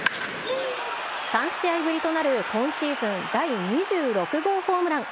３試合ぶりとなる今シーズン第２６号ホームラン。